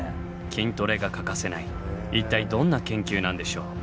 筋トレが欠かせない一体どんな研究なんでしょう？